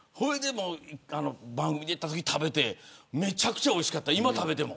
番組で食べてめちゃくちゃおいしかった今、食べても。